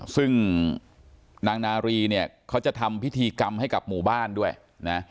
ซึ่งนางนารีเนี่ยเขาจะทำพิธีกรรมให้กับหมู่บ้านด้วยนะ